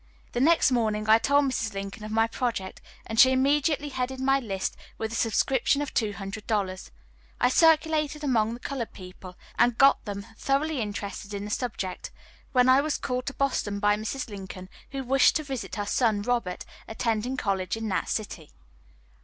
The next morning I told Mrs. Lincoln of my project; and she immediately headed my list with a subscription of $200. I circulated among the colored people, and got them thoroughly interested in the subject, when I was called to Boston by Mrs. Lincoln, who wished to visit her son Robert, attending college in that city.